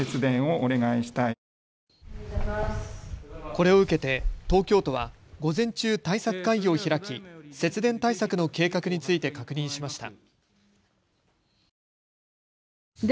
これを受けて東京都は午前中、対策会議を開き節電対策の計画について確認しました。